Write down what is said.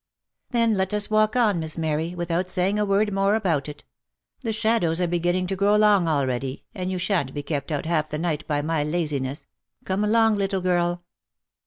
"Then let us walk on, Miss Mary, without saying a word more about it. The shadows are beginning to grow long already, and you shan't be kept out half the night by my laziness. Come along, little giri."